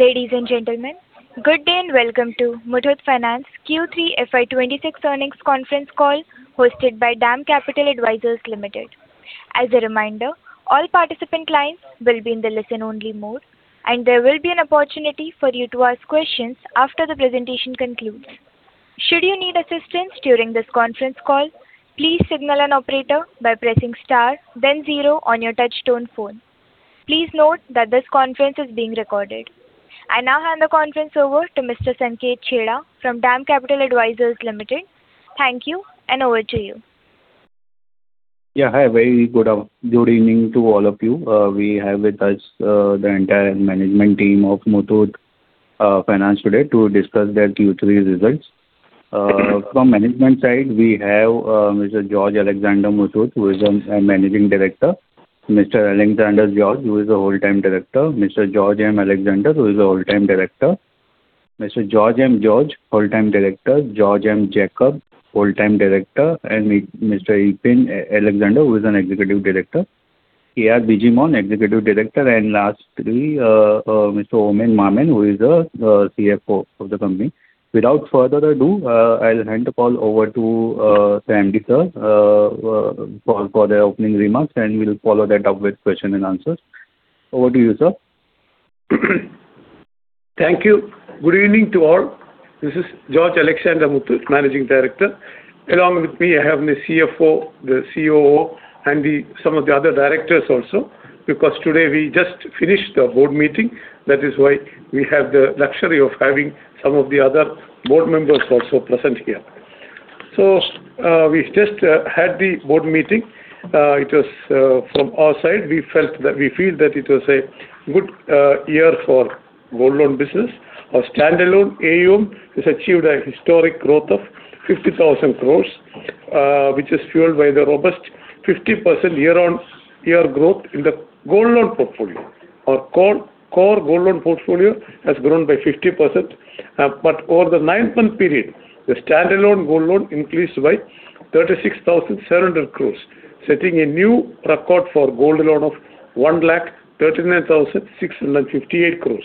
Ladies and gentlemen, good day, and welcome to Muthoot Finance Q3 FY 2026 earnings conference call, hosted by DAM Capital Advisors Limited. As a reminder, all participant lines will be in the listen-only mode, and there will be an opportunity for you to ask questions after the presentation concludes. Should you need assistance during this conference call, please signal an operator by pressing star then zero on your touchtone phone. Please note that this conference is being recorded. I now hand the conference over to Mr. Sanket Chheda from DAM Capital Advisors Limited. Thank you, and over to you. Yeah, hi. Very good evening to all of you. We have with us the entire management team of Muthoot Finance today to discuss their Q3 results. From management side, we have Mr. George Alexander Muthoot, who is the Managing Director, Mr. Alexander George, who is a whole-time director, Mr. George M. Alexander, who is a whole-time director, Mr. George M. George, whole-time director, George M. Jacob, whole-time director, and Mr. Eapen Alexander, who is an executive director, K.R. Bijimon, Executive Director, and lastly, Mr. Oommen Mammen, who is the CFO of the company. Without further ado, I'll hand the call over to MD, sir, for the opening remarks, and we'll follow that up with question and answers. Over to you, sir. Thank you. Good evening to all. This is George Alexander Muthoot, Managing Director. Along with me, I have the CFO, the COO, and the, some of the other directors also, because today we just finished the board meeting. That is why we have the luxury of having some of the other board members also present here. So, we just had the board meeting. It was from our side, we felt that, we feel that it was a good year for gold loan business. Our standalone AUM has achieved a historic growth of 50,000 crore, which is fueled by the robust 50% year-on-year growth in the gold loan portfolio. Our core, core gold loan portfolio has grown by 50%. But over the nine-month period, the standalone gold loan increased by 36,700 crore, setting a new record for gold loan of 1,39,658 crore.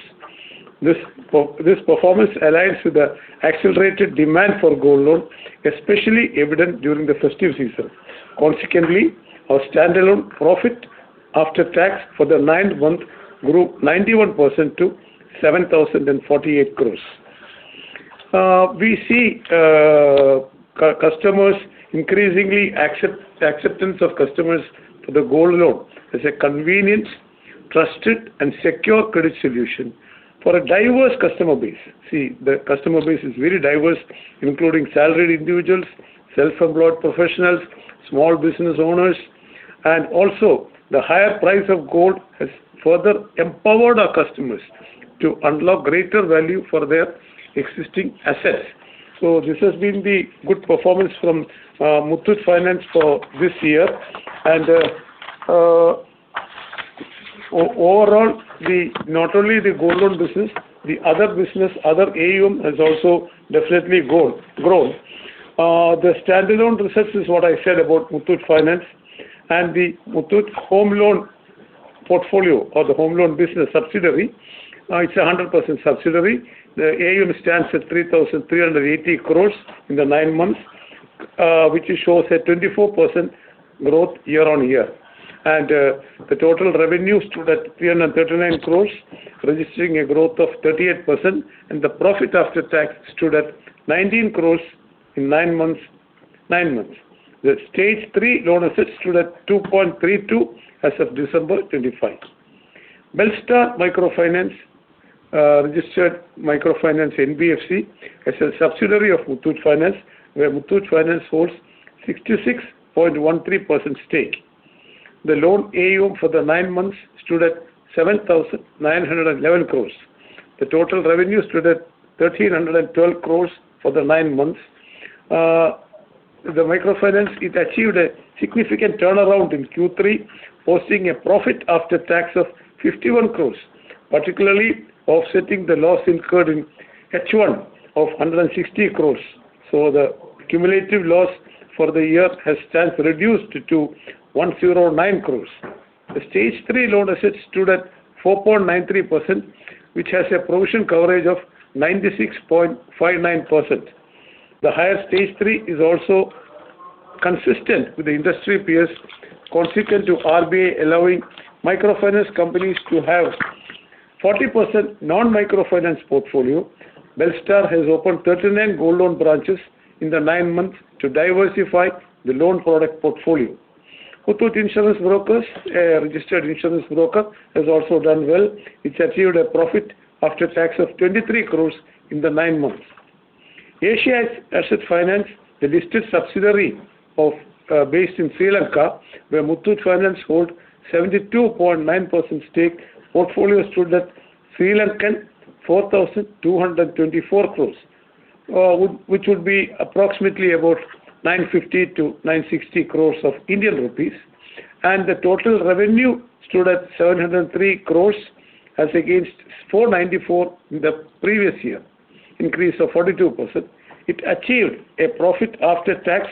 This performance aligns with the accelerated demand for gold loan, especially evident during the festive season. Consequently, our standalone profit after tax for the nine-month grew 91% to 7,048 crore. We see customers increasingly acceptance of customers to the gold loan as a convenient, trusted, and secure credit solution for a diverse customer base. See, the customer base is very diverse, including salaried individuals, self-employed professionals, small business owners, and also the higher price of gold has further empowered our customers to unlock greater value for their existing assets. So this has been the good performance from Muthoot Finance for this year. Overall, not only the gold loan business, the other business, other AUM, has also definitely grown. The standalone results is what I said about Muthoot Finance and the Muthoot Home Loan portfolio or the home loan business subsidiary. It's a 100% subsidiary. The AUM stands at 3,380 crore in the nine months, which it shows a 24% growth year-on-year. The total revenue stood at 339 crore, registering a growth of 38%, and the profit after tax stood at 19 crore in nine months. The Stage III loan assets stood at 2.32 as of December 2025. Belstar Microfinance, registered microfinance NBFC, as a subsidiary of Muthoot Finance, where Muthoot Finance holds 66.13% stake. The loan AUM for the nine months stood at 7,911 crore. The total revenue stood at 1,312 crore for the nine months. The microfinance, it achieved a significant turnaround in Q3, posting a profit after tax of 51 crore, particularly offsetting the loss incurred in H1 of 160 crore. So the cumulative loss for the year has stands reduced to 109 crore. The Stage III loan assets stood at 4.93%, which has a provision coverage of 96.59%. The higher Stage III is also consistent with the industry peers, consequent to RBI allowing microfinance companies to have 40% non-microfinance portfolio. Belstar has opened 39 gold loan branches in the nine months to diversify the loan product portfolio. Muthoot Insurance Brokers, a registered insurance broker, has also done well. It's achieved a profit after tax of 23 crore in the nine months. Asia Asset Finance, the listed subsidiary of, based in Sri Lanka, where Muthoot Finance hold 72.9% stake. Portfolio stood at LKR 4,224 crore, which would be approximately about 950 crore-960 crore, and the total revenue stood at LKR 703 crore as against LKR 494 crore in the previous year, increase of 42%. It achieved a profit after tax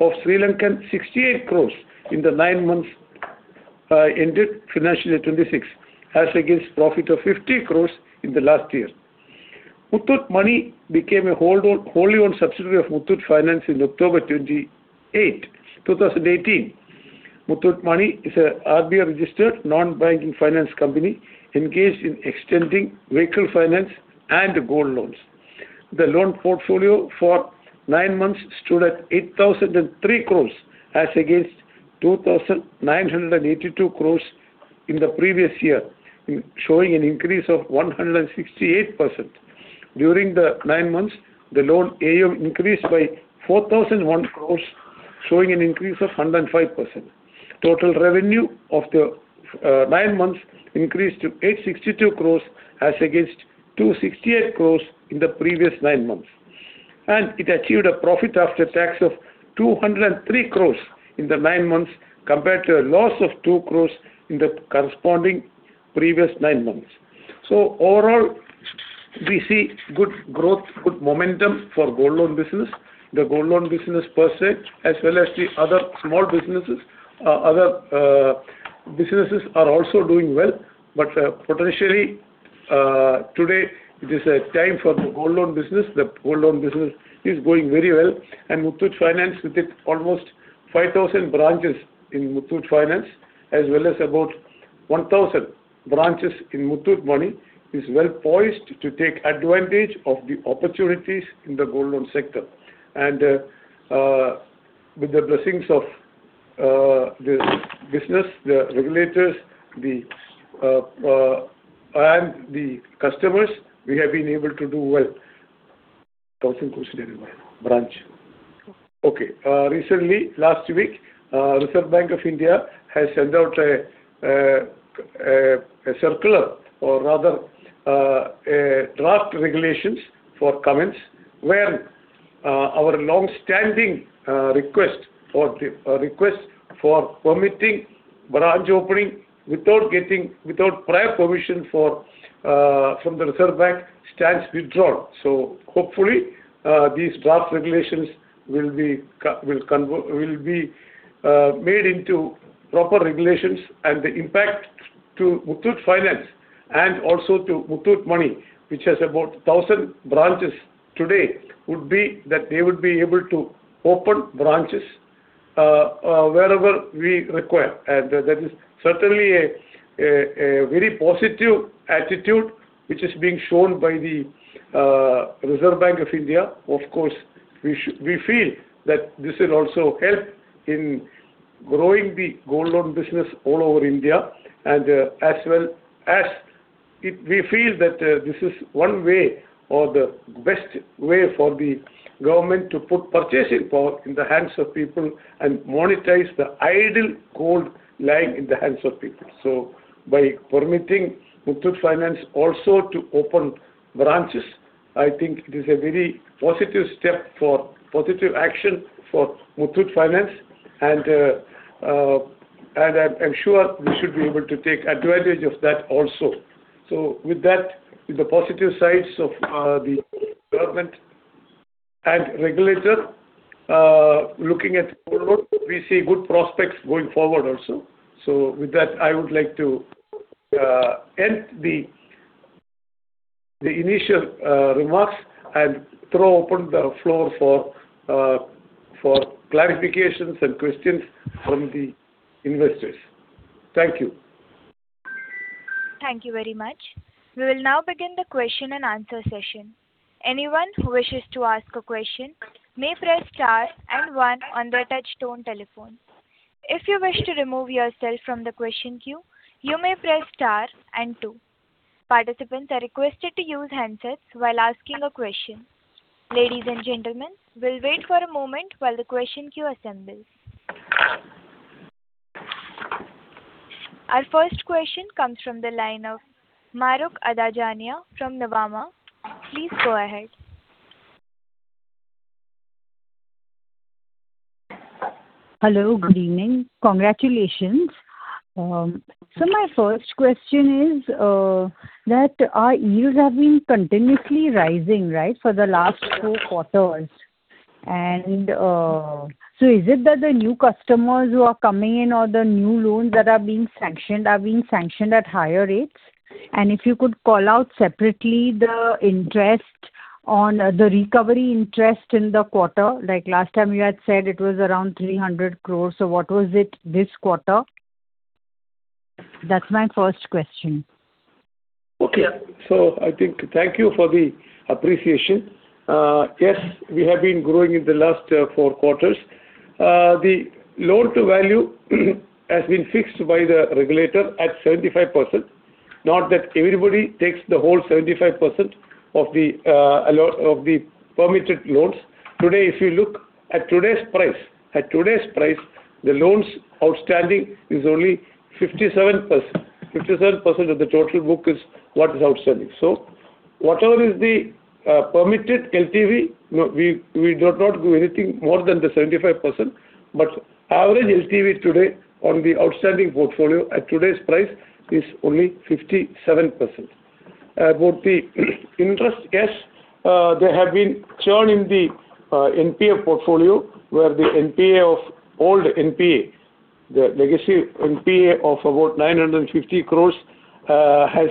of LKR 68 crore in the nine months ended financial year 2026, as against profit of LKR 50 crore in the last year. Muthoot Money became a wholly owned subsidiary of Muthoot Finance in October 2018. Muthoot Money is a RBI-registered non-banking finance company, engaged in extending vehicle finance and gold loans. The loan portfolio for nine months stood at 8,003 crore, as against 2,982 crore in the previous year, showing an increase of 168%. During the nine months, the loan AUM increased by 4,001 crore, showing an increase of 105%. Total revenue of the nine months increased to 862 crore, as against 268 crore in the previous nine months. And it achieved a profit after tax of 203 crore in the nine months, compared to a loss of 2 crore in the corresponding previous nine months. So overall, we see good growth, good momentum for gold loan business. The gold loan business per se, as well as the other small businesses, other businesses are also doing well. But, potentially, today it is a time for the gold loan business. The gold loan business is going very well, and Muthoot Finance, with its almost 5,000 branches in Muthoot Finance, as well as about 1,000 branches in Muthoot Money, is well poised to take advantage of the opportunities in the gold loan sector. And, with the blessings of the business, the regulators, and the customers, we have been able to do well. 1,000 branch. Okay, recently, last week, Reserve Bank of India has sent out a circular, or rather, a draft regulations for comments, where our long-standing request for permitting branch opening without prior permission from the Reserve Bank stands withdrawn. So hopefully, these draft regulations will be converted into proper regulations. And the impact to Muthoot Finance and also to Muthoot Money, which has about 1,000 branches today, would be that they would be able to open branches wherever we require. And that is certainly a very positive attitude which is being shown by the Reserve Bank of India. Of course, we feel that this will also help in growing the gold loan business all over India. And as well as it, we feel that this is one way or the best way for the government to put purchasing power in the hands of people and monetize the idle gold lying in the hands of people. So by permitting Muthoot Finance also to open branches, I think it is a very positive step for positive action for Muthoot Finance, and I'm sure we should be able to take advantage of that also. So with that, with the positive sides of the government and regulator looking at forward, we see good prospects going forward also. So with that, I would like to end the initial remarks and throw open the floor for clarifications and questions from the investors. Thank you. Thank you very much. We will now begin the question and answer session. Anyone who wishes to ask a question may press star and one on their touch tone telephone. If you wish to remove yourself from the question queue, you may press star and two. Participants are requested to use handsets while asking a question. Ladies and gentlemen, we'll wait for a moment while the question queue assembles. Our first question comes from the line of Mahrukh Adajania from Nuvama. Please go ahead. Hello, good evening. Congratulations. So my first question is, that our yields have been continuously rising, right? For the last four quarters. And, so is it that the new customers who are coming in or the new loans that are being sanctioned, are being sanctioned at higher rates? And if you could call out separately the interest on the recovery interest in the quarter, like last time you had said it was around 300 crore, so what was it this quarter? That's my first question. Okay. So I think thank you for the appreciation. Yes, we have been growing in the last four quarters. The loan to value has been fixed by the regulator at 75%. Not that everybody takes the whole 75% of the permitted loans. Today, if you look at today's price, at today's price, the loans outstanding is only 57%. 57% of the total book is what is outstanding. So whatever is the permitted LTV, no, we, we do not do anything more than the 75%. But average LTV today on the outstanding portfolio at today's price is only 57%.... About the interest, yes, there have been churn in the NPA portfolio, where the NPA of old NPA, the legacy NPA of about 950 crore, has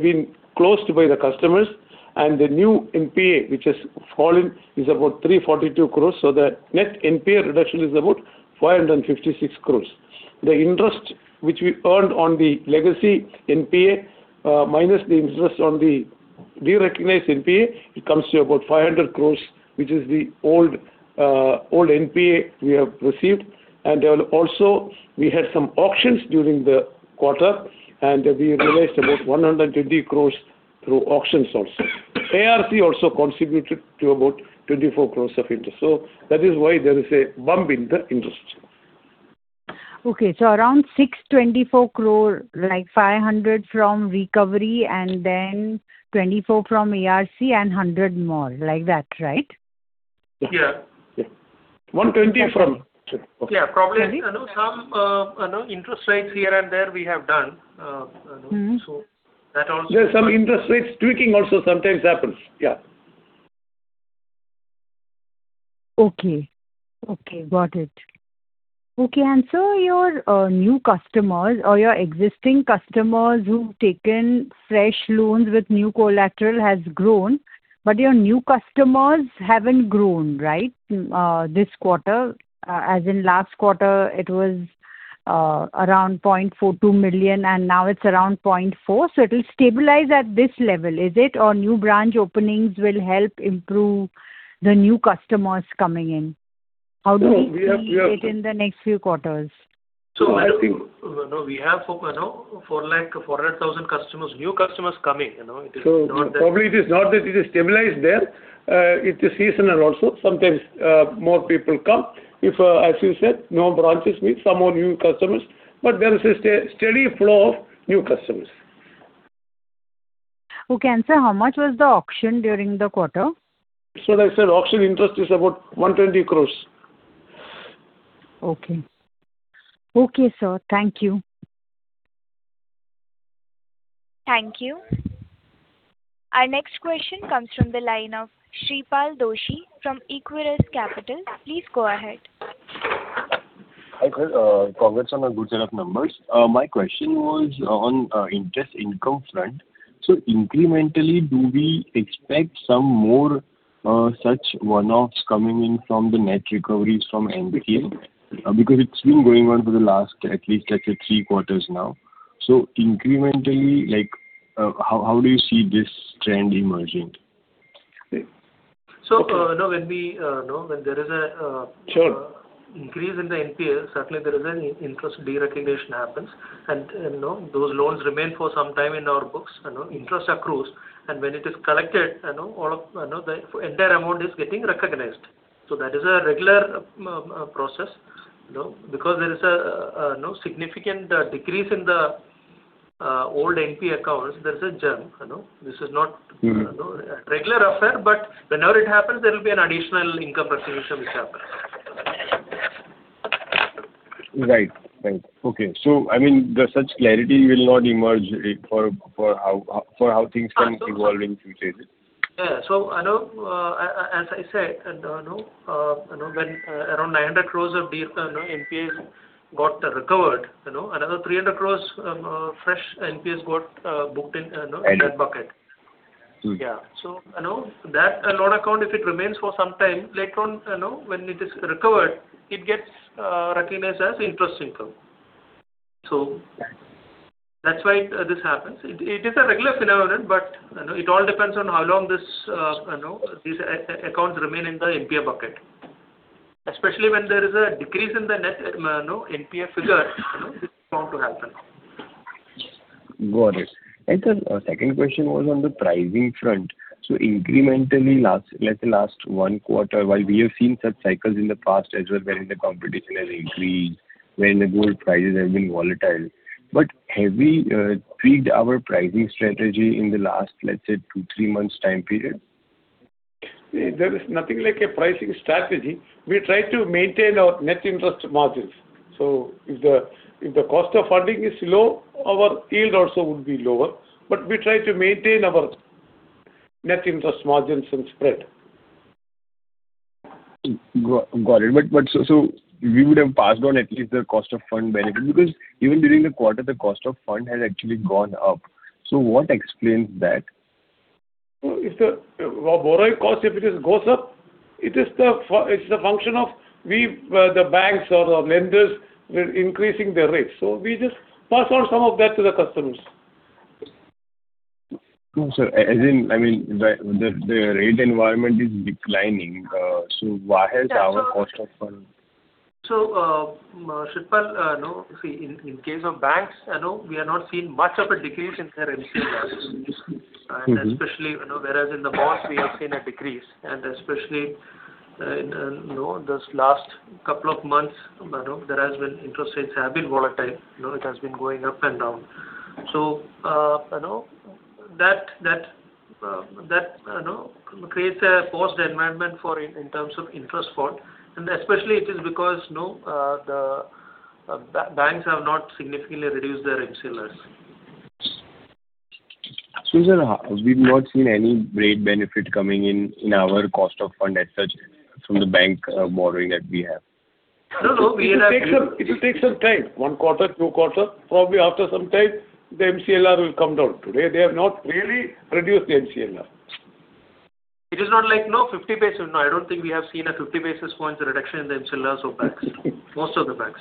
been closed by the customers, and the new NPA, which has fallen, is about 342 crore, so the net NPA reduction is about 556 crore. The interest which we earned on the legacy NPA, minus the interest on the re-recognized NPA, it comes to about 500 crore, which is the old NPA we have received. And then also, we had some auctions during the quarter, and we realized about 120 crore through auction source. ARC also contributed to about 24 crore of interest. That is why there is a bump in the interest. Okay, so around 624 crore, like 500 from recovery, and then 24 from ARC and 100 more, like that, right? Yeah. Yeah. 120 from- Yeah, probably, you know, interest rates here and there we have done, you know. Mm-hmm. So that also- There are some interest rates tweaking also sometimes happens. Yeah. Okay. Okay, got it. Okay, and so your new customers or your existing customers who've taken fresh loans with new collateral has grown, but your new customers haven't grown, right? This quarter, as in last quarter, it was around 0.42 million, and now it's around 0.4. So it will stabilize at this level, is it? Or new branch openings will help improve the new customers coming in. How do we see it in the next few quarters? I think- No, we have, you know, 4 lakh, 400,000 customers, new customers coming, you know, it is not that- So probably it is not that it is stabilized there, it is seasonal also. Sometimes, more people come. If, as you said, more branches means some more new customers, but there is a steady flow of new customers. Okay, and sir, how much was the auction during the quarter? So like I said, auction interest is about 120 crore. Okay. Okay, sir, thank you. Thank you. Our next question comes from the line of Shreepal Doshi from Equirus Capital. Please go ahead. Hi, sir, congrats on the good set of numbers. My question was on, interest income front. So incrementally, do we expect some more, such one-offs coming in from the net recoveries from NPA? Because it's been going on for the last, at least, let's say, three quarters now. So incrementally, like, how do you see this trend emerging? So, now when we know when there is a, Sure. Increase in the NPA, certainly there is an interest de-recognition happens, and, you know, those loans remain for some time in our books, you know, interest accrues, and when it is collected, you know, all of, you know, the entire amount is getting recognized. So that is a regular process, you know, because there is a significant decrease in the old NPA accounts, there is a jump, you know. This is not- Mm-hmm You know, a regular affair, but whenever it happens, there will be an additional income recognition which happens. Right. Right. Okay. So, I mean, such clarity will not emerge for how things can evolve in future? Yeah. So I know, as I said, and you know, you know, when around 900 crore of NPA got recovered, you know, another 300 crore, fresh NPAs got booked in, you know, in that bucket. Mm. Yeah. So, you know, that loan account, if it remains for some time, later on, you know, when it is recovered, it gets recognized as interest income. So that's why this happens. It is a regular phenomenon, but, you know, it all depends on how long this, you know, these accounts remain in the NPA bucket. Especially when there is a decrease in the net NPA figure, you know, this is going to happen. Got it. Sir, second question was on the pricing front. So incrementally, last, let's say last one quarter, while we have seen such cycles in the past as well, where the competition has increased, when the gold prices have been volatile, but have we tweaked our pricing strategy in the last, let's say, two, three months time period? There is nothing like a pricing strategy. We try to maintain our net interest margins. So if the cost of funding is low, our yield also would be lower, but we try to maintain our net interest margins and spread. Got it. But, so we would have passed on at least the cost of fund benefit, because even during the quarter, the cost of fund has actually gone up. So what explains that? If the borrowing cost goes up, it is the function of the banks or the lenders. We're increasing their rates. So we just pass on some of that to the customers. No, sir, I mean, the rate environment is declining, so why has our cost of fund? Shreepal, you know, in case of banks, you know, we are not seeing much of a decrease in their NPA. Mm-hmm. And especially, you know, whereas in the past, we have seen a decrease, and especially, you know, this last couple of months, you know, there has been interest rates have been volatile, you know, it has been going up and down. So, you know, that creates a positive environment in terms of interest rates, and especially it is because, you know, the banks have not significantly reduced their MCLR. Sir, we've not seen any great benefit coming in, in our cost of fund as such from the bank, borrowing that we have. No, no, we have- It will take some time, one quarter, two quarters. Probably after some time, the MCLR will come down. Today, they have not really reduced the MCLR. It is not like, no, 50 basis. No, I don't think we have seen a 50 basis points reduction in the MCLRs of banks, most of the banks.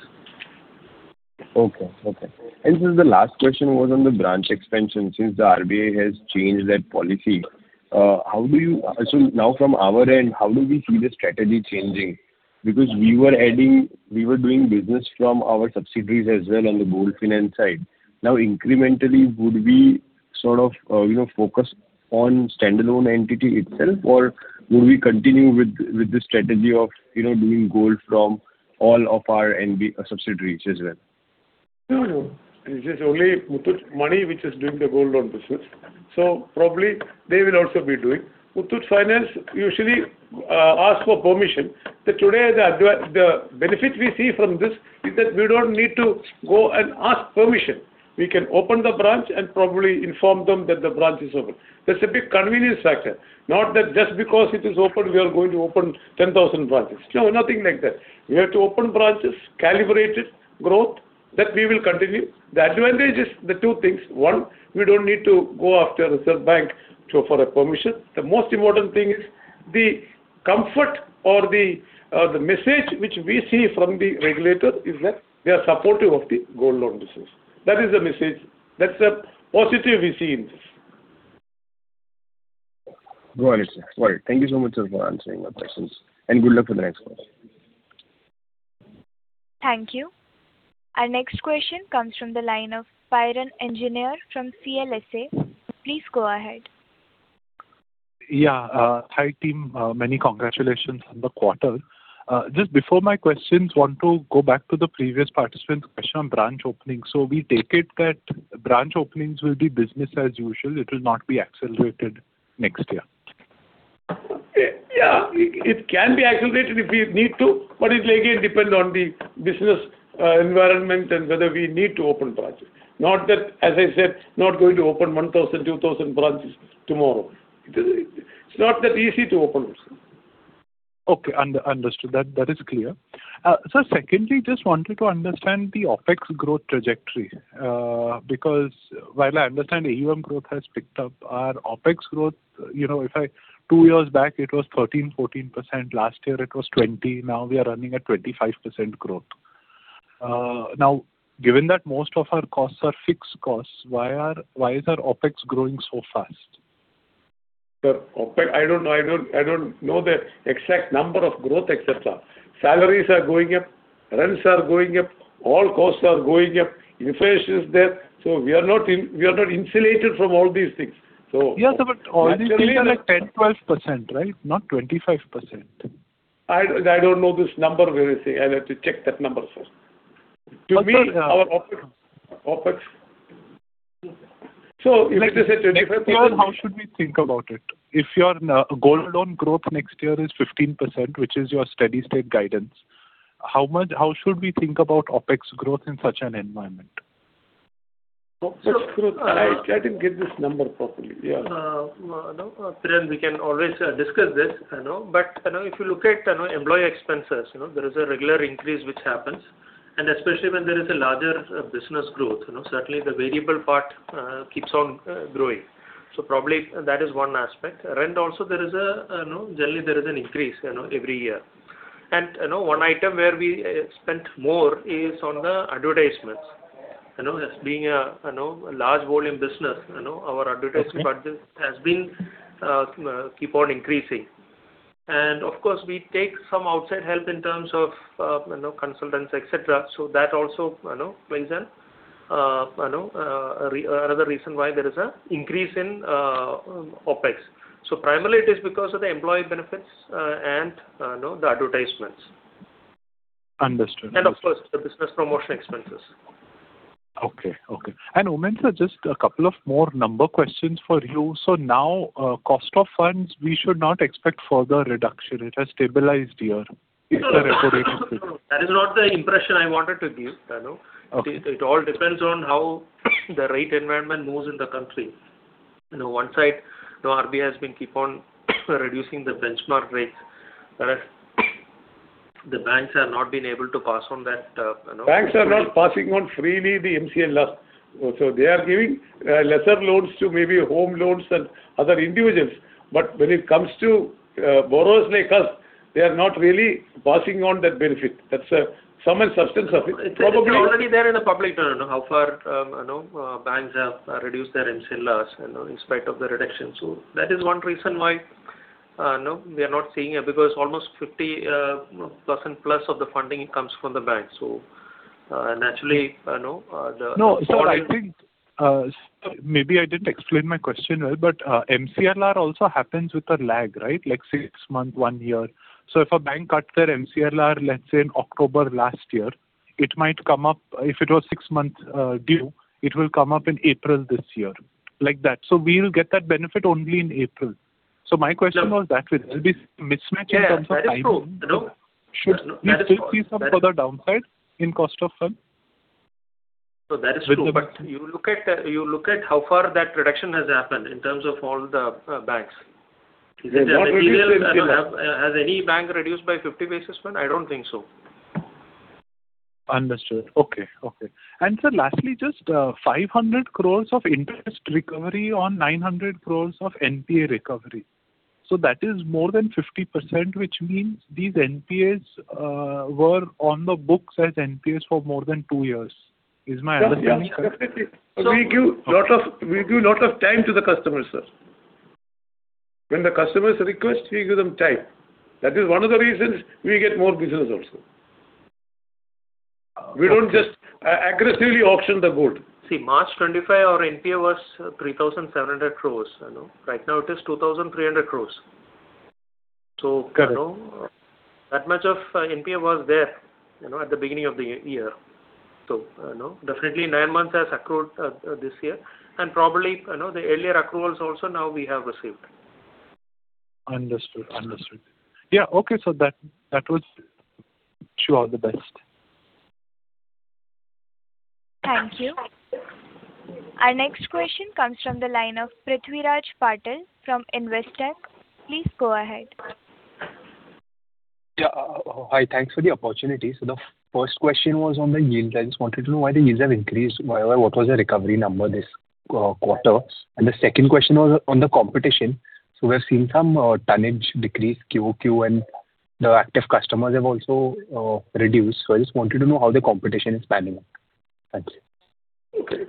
Okay. Okay. This is the last question was on the branch expansion. Since the RBI has changed that policy, how do you... So now from our end, how do we see the strategy changing? Because we were adding, we were doing business from our subsidiaries as well on the gold finance side. Now, incrementally, would we sort of, you know, focus on standalone entity itself, or would we continue with, with the strategy of, you know, doing gold from all of our NBFC subsidiaries as well? No, no. It is only Muthoot Money which is doing the gold loan business, so probably they will also be doing. Muthoot Finance usually ask for permission. So today, the benefit we see from this is that we don't need to go and ask permission. We can open the branch and probably inform them that the branch is open. That's a big convenience factor. Not that just because it is open, we are going to open 10,000 branches. No, nothing like that. We have to open branches, calibrate it, growth, that we will continue. The advantage is the two things: One, we don't need to go after Reserve Bank to, for a permission. The most important thing is the comfort or the message which we see from the regulator is that they are supportive of the gold loan business. That is the message. That's a positive we see in this. Got it, sir. Got it. Thank you so much, sir, for answering my questions, and good luck for the next one. Thank you. Our next question comes from the line of Piran Engineer from CLSA. Please go ahead. Yeah. Hi, team. Many congratulations on the quarter. Just before my questions, want to go back to the previous participant's question on branch opening. So we take it that branch openings will be business as usual, it will not be accelerated next year? Yeah, it it can be accelerated if we need to, but it will again depend on the business environment and whether we need to open branches. Not that, as I said, not going to open 1,000-2,000 branches tomorrow. It is, it's not that easy to open also. Okay, understood. That is clear. So secondly, just wanted to understand the OpEx growth trajectory, because while I understand AUM growth has picked up, our OpEx growth, you know, if I... Two years back, it was 13%-14%. Last year it was 20%, now we are running at 25% growth. Now, given that most of our costs are fixed costs, why is our OpEx growing so fast? Sir, OpEx, I don't know. I don't, I don't know the exact number of growth, et cetera. Salaries are going up, rents are going up, all costs are going up, inflation is there, so we are not in, we are not insulated from all these things. So- Yes, sir, but all these things are at 10%-12%, right? Not 25%. I don't know this number very well. I'll have to check that number, sir. To me, our OpEx... So how should we think about it? If your gold loan growth next year is 15%, which is your steady state guidance, how much, how should we think about OpEx growth in such an environment? OpEx growth. I didn't get this number properly. Yeah. No, then we can always discuss this, you know. But, you know, if you look at, you know, employee expenses, you know, there is a regular increase which happens, and especially when there is a larger business growth, you know, certainly the variable part keeps on growing. So probably that is one aspect. Rent also, generally there is an increase, you know, every year. And, you know, one item where we spent more is on the advertisements. You know, as being a large volume business, you know, our advertising budget has been keep on increasing. And of course, we take some outside help in terms of, you know, consultants, et cetera. So that also, you know, plays an, you know, another reason why there is a increase in, OpEx. So primarily it is because of the employee benefits, and, you know, the advertisements. Understood. And of course, the business promotion expenses. Okay, okay. Oommen, sir, just a couple of more number questions for you. So now, cost of funds, we should not expect further reduction. It has stabilized here? No, no, no, no. That is not the impression I wanted to give, you know. Okay. It all depends on how the rate environment moves in the country. You know, on one side, the RBI has been keep on reducing the benchmark rates, whereas the banks have not been able to pass on that, you know- Banks are not passing on freely the MCLR. So they are giving lesser loans to maybe home loans and other individuals. But when it comes to borrowers like us, they are not really passing on that benefit. That's some in substance of it. Probably- It's already there in the public, you know, how far, you know, banks have reduced their MCLRs, you know, in spite of the reduction. So that is one reason why, you know, we are not seeing it, because almost 50% plus of the funding comes from the bank. So, naturally, you know, the- No, so I think, maybe I didn't explain my question well, but, MCLR also happens with a lag, right? Like six months, one year. So if a bank cuts their MCLR, let's say in October last year. It might come up, if it was six months due, it will come up in April this year, like that. So my question was that will be mismatch in terms of timing. Yeah, that is true. Should we still see some further downside in cost of fund? So that is true, but you look at how far that reduction has happened in terms of all the banks. Has any bank reduced by 50 basis points? I don't think so. Understood. Okay, okay. And sir, lastly, just, 500 crore of interest recovery on 900 crore of NPA recovery. So that is more than 50%, which means these NPAs were on the books as NPAs for more than two years. Is my understanding correct? We give a lot of time to the customers, sir. When the customers request, we give them time. That is one of the reasons we get more business also. We don't just aggressively auction the gold. See, March 2025, our NPA was 3,700 crore, you know. Right now it is 2,300 crore. So, you know, that much of NPA was there, you know, at the beginning of the year. So, you know, definitely nine months has accrued, this year, and probably, you know, the earlier accruals also now we have received. Understood. Understood. Yeah, okay, so that, that was... Wish you all the best. Thank you. Our next question comes from the line of Prithviraj Patil from Investec. Please go ahead. Yeah. Hi, thanks for the opportunity. So the first question was on the yields. I just wanted to know why the yields have increased, what was the recovery number this quarter? And the second question was on the competition. So we have seen some tonnage decrease QoQ, and the active customers have also reduced. So I just wanted to know how the competition is panning out. Thanks. Okay.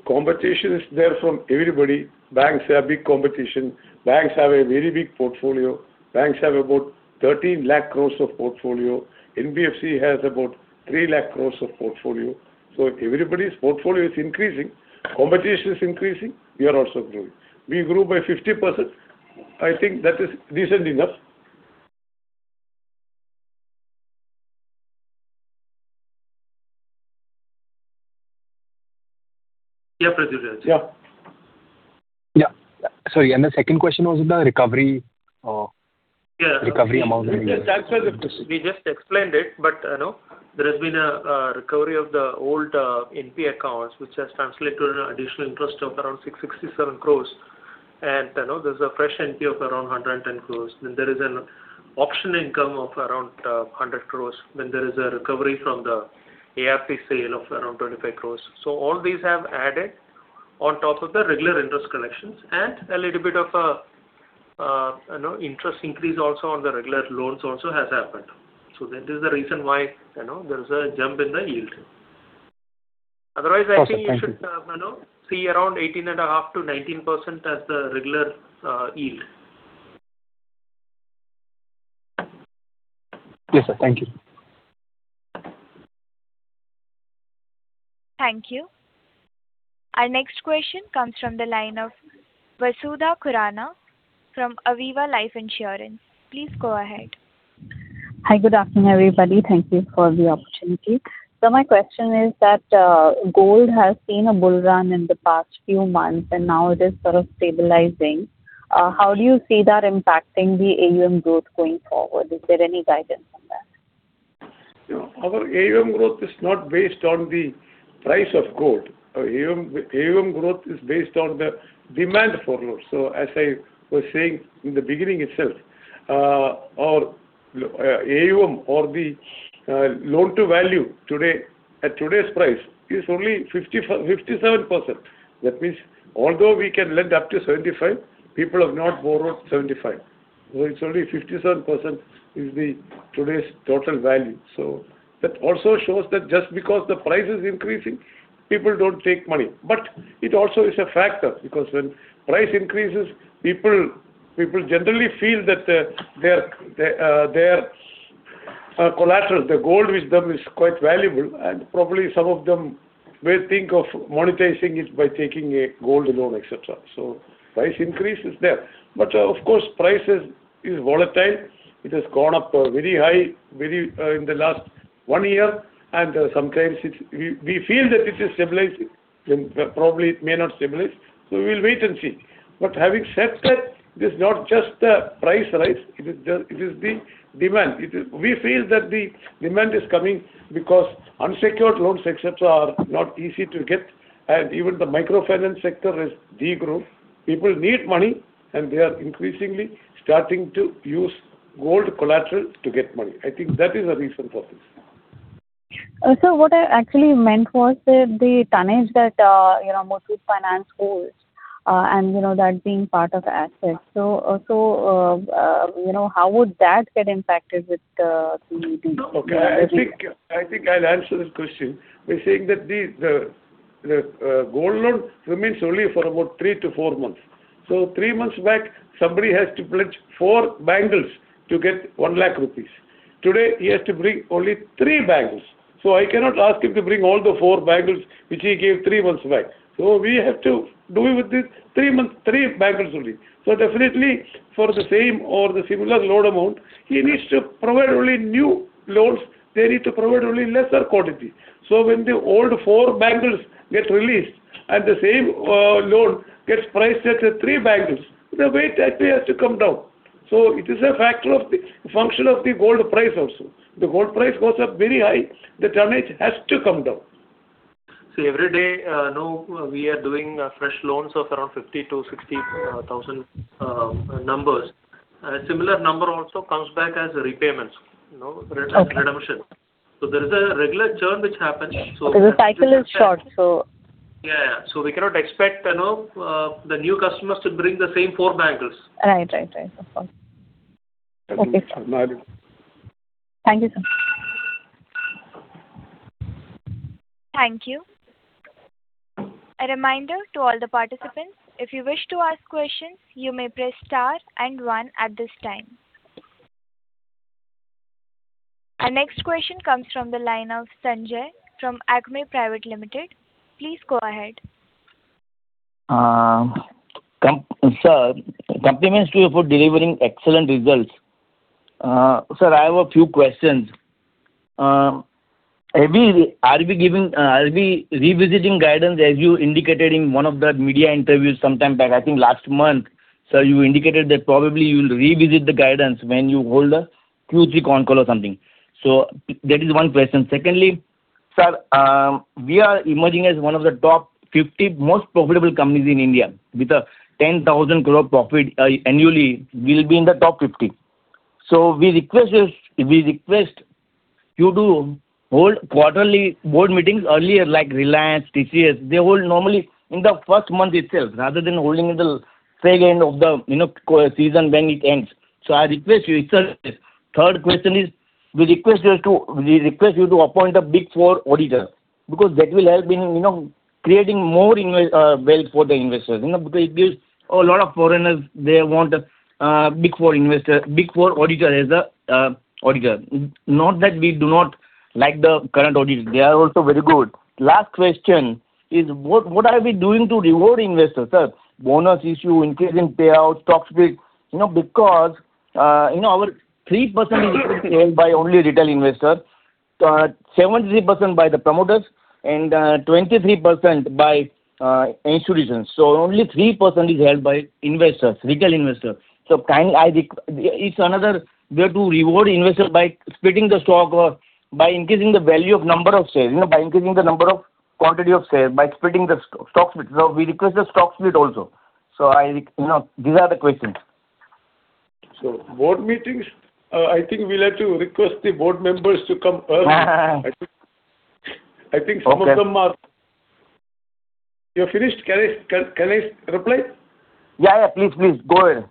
Competition is there from everybody. Banks are a big competition. Banks have a very big portfolio. Banks have about 1,300,000 crore of portfolio. NBFC has about 300,000 crore of portfolio. So everybody's portfolio is increasing, competition is increasing, we are also growing. We grew by 50%. I think that is decent enough. Yeah, Prithviraj. Yeah. Yeah. Sorry, and the second question was on the recovery, recovery amount. That's why we just explained it, but, you know, there has been a recovery of the old NPA accounts, which has translated to an additional interest of around 667 crore. And, you know, there's a fresh NPA of around 110 crore. Then there is an auction income of around 100 crore. Then there is a recovery from the ARC sale of around 25 crore. So all these have added on top of the regular interest collections and a little bit of a, you know, interest increase also on the regular loans also has happened. So that is the reason why, you know, there is a jump in the yield. Otherwise, I think you should, you know, see around 18.5%-19% as the regular yield. Yes, sir. Thank you. Thank you. Our next question comes from the line of Vasudha Khurana from Aviva Life Insurance. Please go ahead. Hi, good afternoon, everybody. Thank you for the opportunity. My question is that, gold has seen a bull run in the past few months, and now it is sort of stabilizing. How do you see that impacting the AUM growth going forward? Is there any guidance on that? You know, our AUM growth is not based on the price of gold. Our AUM, AUM growth is based on the demand for gold. So as I was saying in the beginning itself, our AUM or the loan to value today, at today's price, is only 57%. That means although we can lend up to 75%, people have not borrowed 75%. So it's only 57% is the today's total value. So that also shows that just because the price is increasing, people don't take money. But it also is a factor, because when price increases, people generally feel that their collateral, the gold with them, is quite valuable, and probably some of them may think of monetizing it by taking a gold loan, et cetera. So price increase is there. But of course, price is volatile. It has gone up very high, very, in the last one year, and sometimes it's, we feel that it is stabilizing, then probably it may not stabilize. So we will wait and see. But having said that, it is not just the price rise, it is the, it is the demand. It is, We feel that the demand is coming because unsecured loans, et cetera, are not easy to get, and even the microfinance sector has degrown. People need money, and they are increasingly starting to use gold collateral to get money. I think that is the reason for this. So what I actually meant was that the tonnage that you know Muthoot Finance holds and you know that being part of the assets. So you know how would that get impacted with the meeting? Okay, I think I'll answer this question by saying that the gold loan remains only for about three to four months. So three months back, somebody has to pledge four bangles to get 1 lakh rupees. Today, he has to bring only three bangles. So I cannot ask him to bring all the four bangles, which he gave three months back. So we have to do it with the three months, three bangles only. So definitely, for the same or the similar loan amount, he needs to provide only new loans, they need to provide only lesser quantity. So when the old four bangles get released and the same loan gets priced at three bangles. The weight actually has to come down. So it is a factor of the function of the gold price also. The gold price goes up very high, the tonnage has to come down. Every day, now we are doing fresh loans of around 50,000-60,000 numbers. And a similar number also comes back as repayments, you know, redemption. So there is a regular churn which happens, so- The cycle is short, so- Yeah, so we cannot expect, you know, the new customers to bring the same four bangles. Right, right, right. Of course. Okay. Thank you. Thank you, sir. Thank you. A reminder to all the participants, if you wish to ask questions, you may press star and one at this time. Our next question comes from the line of Sanjay from ACME Pvt Ltd. Please go ahead. Sir, compliments to you for delivering excellent results. Sir, I have a few questions. Maybe are we giving, are we revisiting guidance, as you indicated in one of the media interviews sometime back, I think last month. Sir, you indicated that probably you will revisit the guidance when you hold a Q3 con call or something. So that is one question. Secondly, sir, we are emerging as one of the top 50 most profitable companies in India with a 10,000 crore profit, annually, we will be in the top 50. So we request you, we request you to hold quarterly board meetings earlier, like Reliance, TCS. They hold normally in the first month itself, rather than holding in the second of the, you know, season when it ends. So I request you, sir. Third question is, we request you to, we request you to appoint a Big Four auditor, because that will help in, you know, creating more invest, wealth for the investors. You know, because a lot of foreigners, they want a, big four investor, big four auditor as a, auditor. Not that we do not like the current auditors, they are also very good. Last question is, what are we doing to reward investors, sir? Bonus issue, increasing payouts, stock split. You know, because, you know, our 3% is held by only retail investors, 73% by the promoters and, 23% by, institutions. So only 3% is held by investors, retail investors. It's another way to reward investors by splitting the stock or by increasing the value of number of shares, you know, by increasing the number of quantity of shares, by splitting the stock split. So we request the stock split also. You know, these are the questions. Board meetings, I think we'll have to request the board members to come early. Uh, okay. I think some of them are... You're finished? Can I reply? Yeah, yeah, please, please go ahead.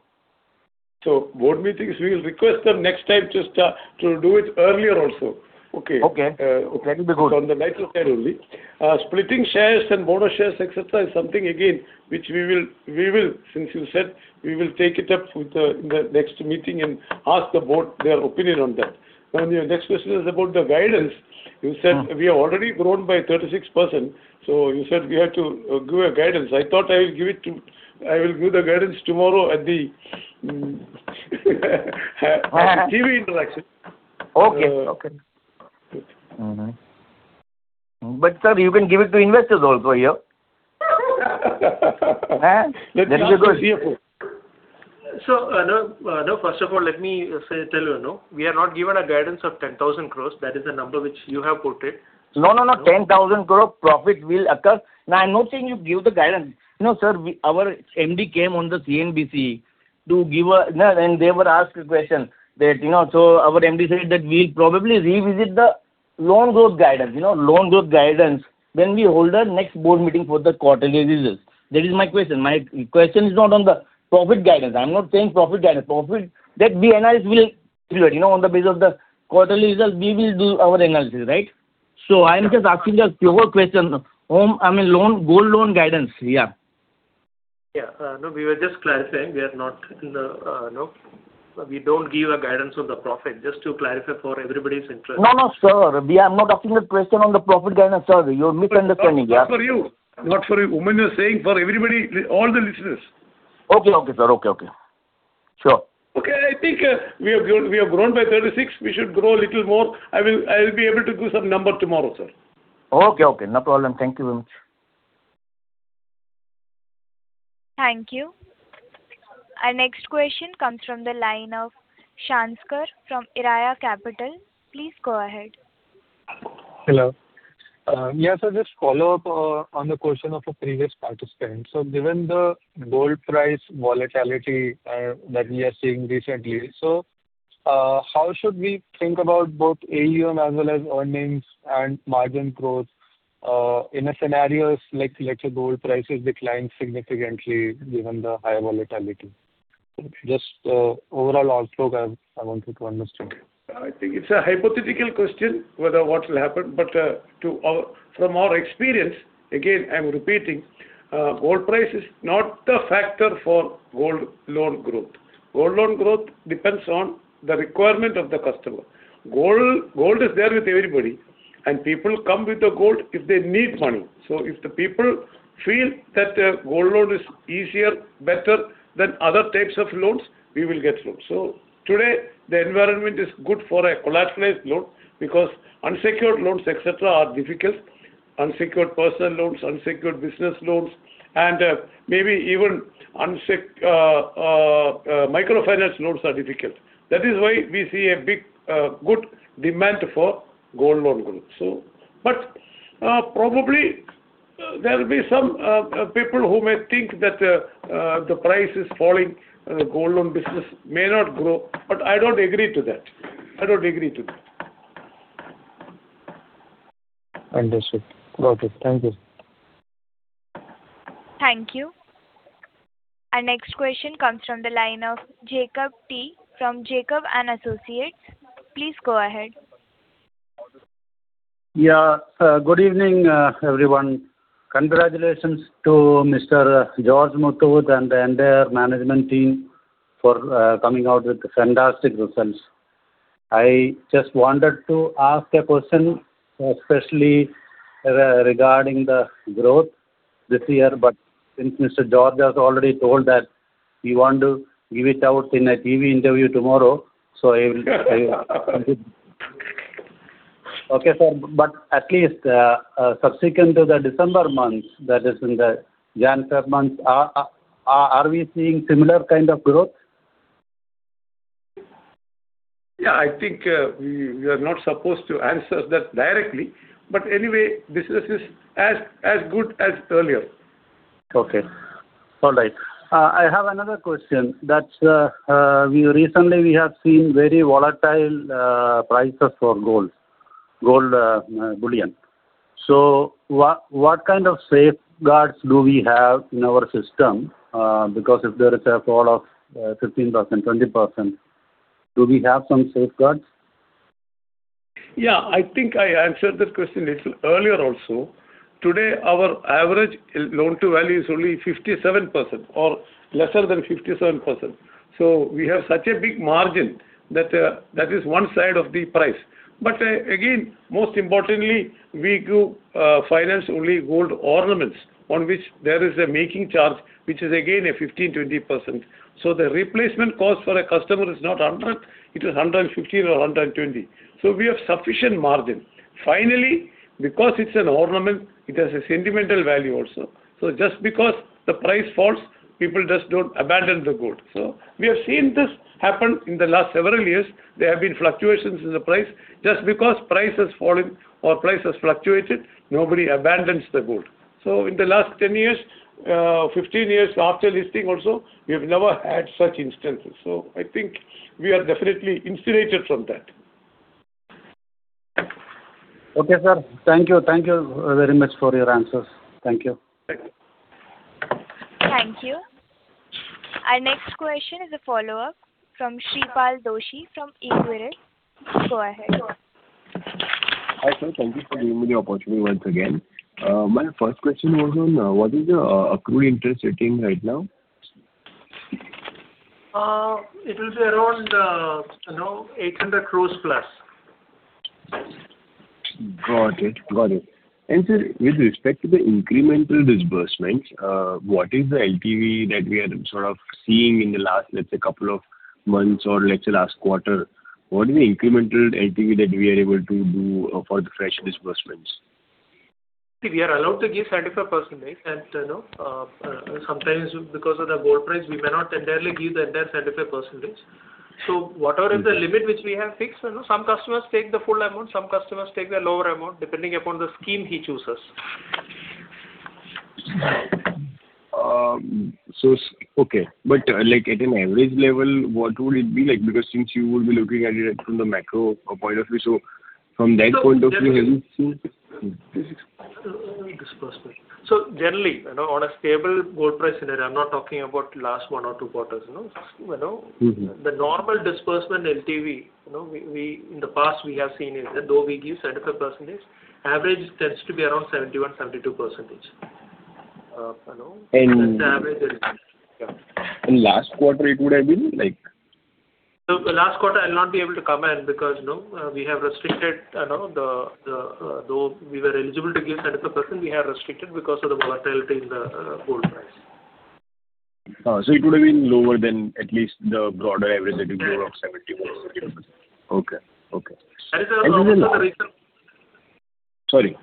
So board meetings, we will request them next time just to do it earlier also. Okay. Okay. That will be good. On the lighter side only. Splitting shares and bonus shares, et cetera, is something again, which we will, we will, since you said, we will take it up with the, in the next meeting and ask the board their opinion on that. On your next question is about the guidance. Mm. You said we have already grown by 36%, so you said we have to give a guidance. I thought I will give it to, I will give the guidance tomorrow at the, TV interaction. Okay. Okay. Mm-hmm. But, sir, you can give it to investors also here. That will be good. So, no, first of all, let me say, tell you, you know, we have not given a guidance of 10,000 crore. That is the number which you have quoted. No, no, no, 10,000 crore profit will occur. No, I'm not saying you give the guidance. You know, sir, we, our MD came on the CNBC to give a... No, and they were asked a question that, you know, so our MD said that we'll probably revisit the loan growth guidance, you know, loan growth guidance, when we hold the next board meeting for the quarterly results. That is my question. My question is not on the profit guidance. I'm not saying profit guidance. Profit, that we analyze will, you know, on the basis of the quarterly results, we will do our analysis, right? So I am just asking a pure question. Home, I mean, loan, gold loan guidance, yeah. Yeah. No, we were just clarifying, we are not in the, no, we don't give a guidance on the profit, just to clarify for everybody's interest. No, no, sir, we are not asking a question on the profit guidance, sir. You're misunderstanding, yeah. Not for you. Not for you. I'm saying for everybody, all the listeners. Okay, okay, sir. Okay, okay. Sure. Okay, I think, we have grown, we have grown by 36. We should grow a little more. I will, I will be able to do some number tomorrow, sir. Okay, okay. No problem. Thank you very much. Thank you. Our next question comes from the line of Shanskar from Eraya Capital. Please go ahead. Hello. Yes, I'll just follow up on the question of a previous participant. So given the gold price volatility that we are seeing recently, so, how should we think about both AUM as well as earnings and margin growth in scenarios like, let's say, gold prices decline significantly given the high volatility? Just overall outlook, I wanted to understand. I think it's a hypothetical question, whether what will happen, but to our—from our experience, again, I'm repeating, gold price is not the factor for gold loan growth. Gold loan growth depends on the requirement of the customer. Gold, gold is there with everybody, and people come with the gold if they need money. So if the people feel that their gold loan is easier, better than other types of loans, we will get loans. So today, the environment is good for a collateralized loan because unsecured loans, et cetera, are difficult. Unsecured personal loans, unsecured business loans, and, maybe even unsecured microfinance loans are difficult. That is why we see a big, good demand for gold loan growth. Probably, there will be some people who may think that the price is falling and the gold loan business may not grow, but I don't agree to that. I don't agree to that. Understood. Got it. Thank you. Thank you. Our next question comes from the line of Jacob T from Jacob and Associates. Please go ahead. Yeah. Good evening, everyone. Congratulations to Mr. George Muthoot and the entire management team for coming out with fantastic results. I just wanted to ask a question, especially regarding the growth this year, but since Mr. George has already told that you want to give it out in a TV interview tomorrow, so I will ... Okay, sir, but at least, subsequent to the December month, that is in the January month, are we seeing similar kind of growth? Yeah, I think, we are not supposed to answer that directly, but anyway, business is as good as earlier. Okay. All right. I have another question. We recently have seen very volatile prices for gold bullion. So what kind of safeguards do we have in our system? Because if there is a fall of 15%-20%, do we have some safeguards? Yeah, I think I answered this question little earlier also. Today, our average loan-to-value is only 57% or lesser than 57%. So we have such a big margin that, that is one side of the price. But again, most importantly, we do finance only gold ornaments, on which there is a making charge, which is again 15%-20%. So the replacement cost for a customer is not 100, it is 115 or 120. So we have sufficient margin. Finally, because it's an ornament, it has a sentimental value also. So just because the price falls, people just don't abandon the gold. So we have seen this happen in the last several years. There have been fluctuations in the price. Just because price has fallen or price has fluctuated, nobody abandons the gold. So in the last 10 years, 15 years after listing also, we have never had such instances. So I think we are definitely insulated from that. Okay, sir. Thank you. Thank you very much for your answers. Thank you. Thank you. Our next question is a follow-up from Shreepal Doshi from Equirus. Go ahead. Hi, sir. Thank you for giving me the opportunity once again. My first question was on what is the accrued interest sitting right now? It will be around, you know, 800 crore plus. Got it. Got it. And sir, with respect to the incremental disbursements, what is the LTV that we are sort of seeing in the last, let's say, couple of months or let's say last quarter? What is the incremental LTV that we are able to do for the fresh disbursements? We are allowed to give 75%, and, you know, sometimes because of the gold price, we may not entirely give the entire 75%. So whatever is the limit which we have fixed, you know, some customers take the full amount, some customers take the lower amount, depending upon the scheme he chooses. So, okay, but, like, at an average level, what would it be like? Because since you will be looking at it from the macro point of view, so from that point of view, have you seen? Disbursement. So generally, you know, on a stable gold price scenario, I'm not talking about last one or two quarters, you know, you know. Mm-hmm. The normal disbursement LTV, you know, in the past we have seen is that though we give 75%, average tends to be around 71%-72%. You know, that's the average. Last quarter, it would have been, like? So the last quarter, I'll not be able to comment because, you know, we have restricted, you know, though we were eligible to give 75%, we have restricted because of the volatility in the gold price. So it would have been lower than at least the broader average that you gave of 70%. Okay. Okay. That is also the reason- Sorry.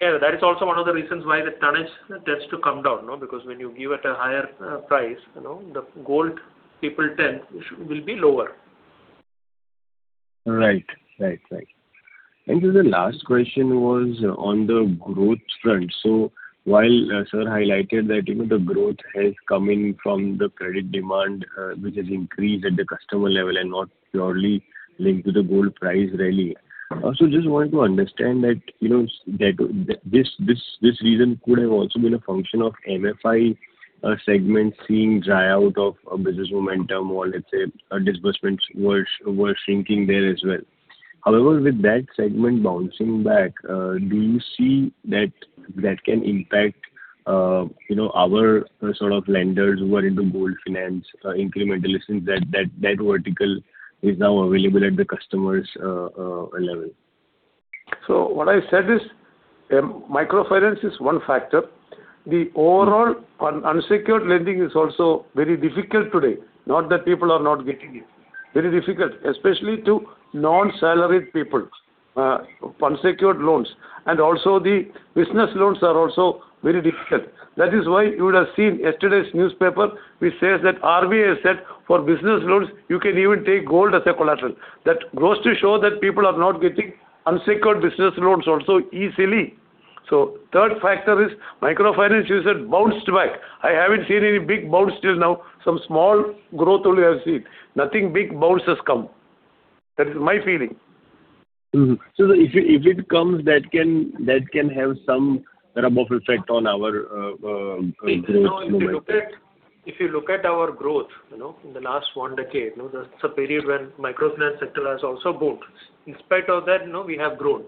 Yeah, that is also one of the reasons why the tonnage tends to come down, you know, because when you give at a higher price, you know, the gold people tend, which will be lower. Right. Right, right. And so the last question was on the growth front. So while, sir highlighted that, you know, the growth has come in from the credit demand, which has increased at the customer level and not purely linked to the gold price rally. I also just wanted to understand that, you know, that this reason could have also been a function of MFI segment seeing dry out of a business momentum or let's say, a disbursements were shrinking there as well. However, with that segment bouncing back, do you see that that can impact, you know, our sort of lenders who are into gold finance incremental, since that that vertical is now available at the customers' level? So what I said is, microfinance is one factor. The overall unsecured lending is also very difficult today. Not that people are not getting it. Very difficult, especially to non-salaried people, unsecured loans, and also the business loans are also very difficult. That is why you would have seen yesterday's newspaper, which says that RBI has said, "For business loans, you can even take gold as a collateral." That goes to show that people are not getting unsecured business loans also easily. So third factor is microfinance, you said, bounced back. I haven't seen any big bounce till now. Some small growth only I've seen. Nothing big bounce has come. That is my feeling. Mm-hmm. So if it comes, that can have some rub-off effect on our growth? If you look at, if you look at our growth, you know, in the last one decade, you know, that's a period when microfinance sector has also grown. In spite of that, you know, we have grown.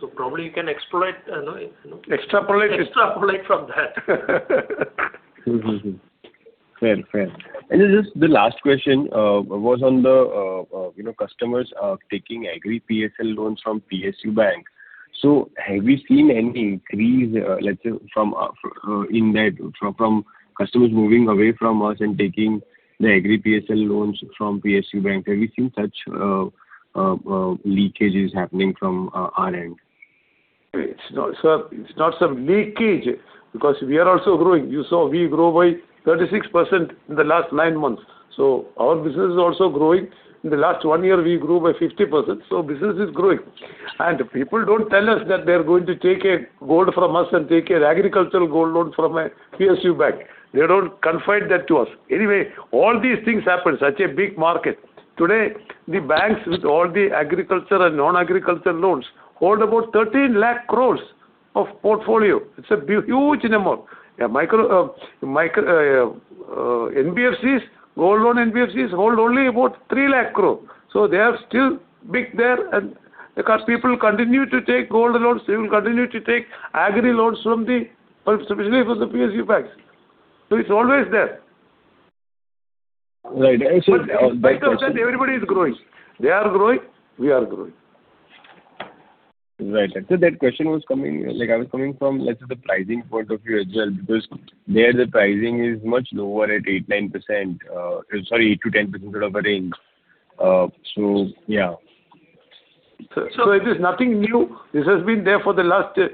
So probably you can exploit, you know- Extrapolate. Extrapolate from that. Mm-hmm, mm-hmm. Fair, fair. And this is the last question, was on the, you know, customers, taking Agri PSL loans from PSU bank. So have you seen any increase, let's say, from, in that, from, from customers moving away from us and taking the Agri PSL loans from PSU bank? Have you seen such, leakages happening from, our end? It's not, sir, it's not some leakage, because we are also growing. You saw we grow by 36% in the last nine months, so our business is also growing. In the last one year, we grew by 50%, so business is growing. And people don't tell us that they are going to take a gold from us and take an agricultural gold loan from a PSU bank. They don't confide that to us. Anyway, all these things happen, such a big market. Today, the banks, with all the agricultural and non-agricultural loans, hold about 1,300,000 crore of portfolio. It's a huge amount. A micro NBFCs, gold loan NBFCs hold only about 300,000 crore. So they are still big there, and because people continue to take gold loans, they will continue to take Agri loans from the, especially from the PSU banks. It's always there. Right. I see- In spite of that, everybody is growing. They are growing, we are growing. Right. So that question was coming, like I was coming from, let's say, the pricing point of view as well, because there the pricing is much lower at 8%-9%, sorry, 8%-10% of the range. So yeah. So it is nothing new. This has been there for the last 10,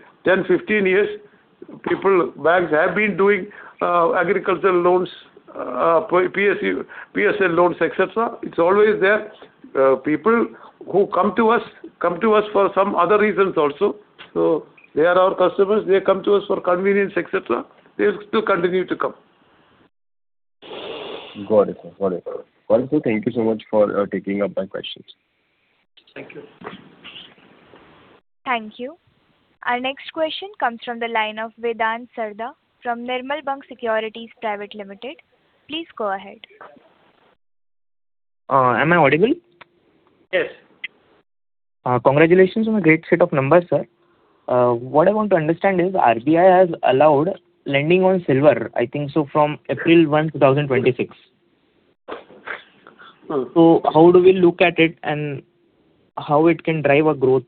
15 years. People, banks have been doing, agricultural loans, PSU, PSL loans, et cetera. It's always there. People who come to us, come to us for some other reasons also. So they are our customers, they come to us for convenience, et cetera. They still continue to come. Got it, sir. Got it. Well, sir, thank you so much for taking up my questions. Thank you. Thank you. Our next question comes from the line of Vedant Sarda from Nirmal Bang Securities Private Limited. Please go ahead. Am I audible? Yes. Congratulations on a great set of numbers, sir. What I want to understand is, RBI has allowed lending on silver, I think so from April 1, 2026. Mm. So how do we look at it and how it can drive our growth?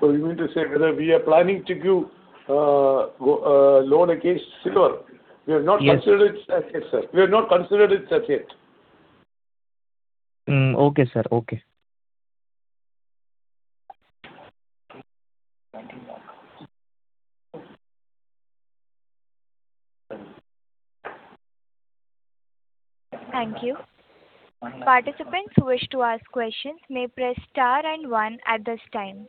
So you mean to say whether we are planning to give loan against silver? Yes. We have not considered it as yet, sir. We have not considered it as yet. Okay, sir. Okay. Thank you. Participants who wish to ask questions may press star and one at this time.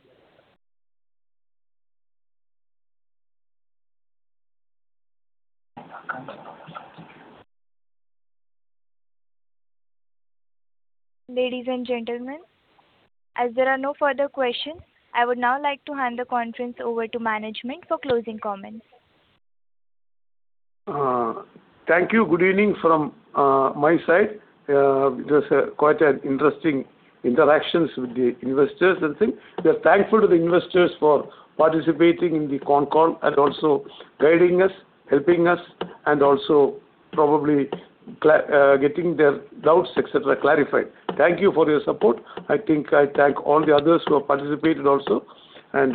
Ladies and gentlemen, as there are no further questions, I would now like to hand the conference over to management for closing comments. Thank you. Good evening from my side. It was quite an interesting interactions with the investors, I think. We are thankful to the investors for participating in the con call and also guiding us, helping us, and also probably getting their doubts, et cetera, clarified. Thank you for your support. I think I thank all the others who have participated also. And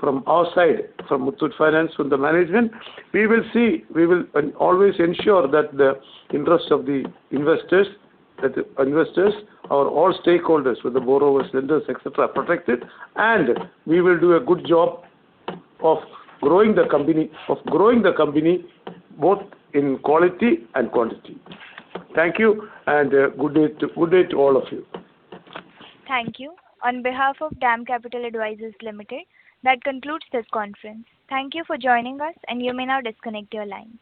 from our side, from Muthoot Finance, from the management, we will see, we will always ensure that the interest of the investors, that the investors, our all stakeholders, with the borrowers, lenders, et cetera, are protected. And we will do a good job of growing the company, of growing the company both in quality and quantity. Thank you, and good day to, good day to all of you. Thank you. On behalf of DAM Capital Advisors Limited, that concludes this conference. Thank you for joining us, and you may now disconnect your line.